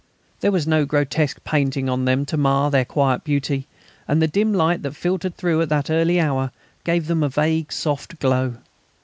There was no grotesque painting on them to mar their quiet beauty, and the dim light that filtered through at that early hour gave them a vague soft glow.